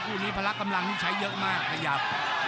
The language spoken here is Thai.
คู่นี้พละกำลังนี่ใช้เยอะมากขยับ